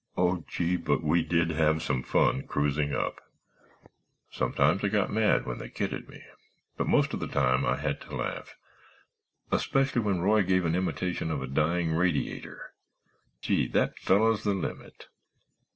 Oh, gee, but we did have some fun cruising up. Sometimes I got mad when they kidded me, but most of the time I had to laugh—especially when Roy gave an imitation of a dying radiator—gee, that feller's the limit!"